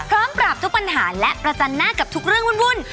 ปราบทุกปัญหาและประจันหน้ากับทุกเรื่องวุ่น